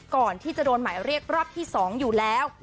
ก่อนที่จะโดนหมายเรียกรอบที่๒อยู่แล้ว